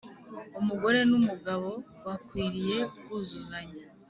umugore n’umugabo bakwiriye kuzuzanya.